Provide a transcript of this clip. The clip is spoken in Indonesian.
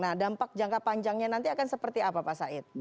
nah dampak jangka panjangnya nanti akan seperti apa pak said